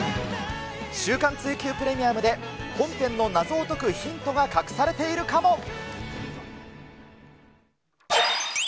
週間追求プレミアムで本編の謎を解くヒントが隠されているかも。